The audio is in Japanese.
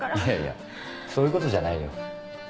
いやいやそういうことじゃないよ。